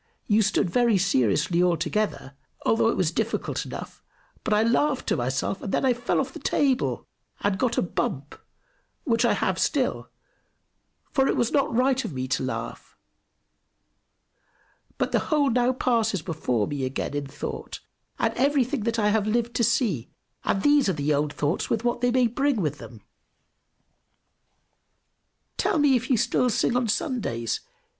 You stood very seriously all together, although it was difficult enough; but I laughed to myself, and then I fell off the table, and got a bump, which I have still for it was not right of me to laugh. But the whole now passes before me again in thought, and everything that I have lived to see; and these are the old thoughts, with what they may bring with them. "Tell me if you still sing on Sundays?